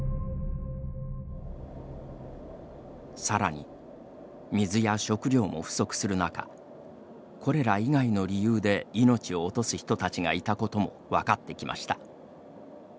さらに、水や食料も不足する中コレラ以外の理由で命を落とす人たちがいたことも分かってきました。